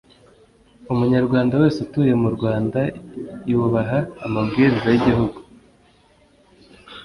umunyarwanda wese utuye mu rwanda yubaha amabwiriza y’igihugu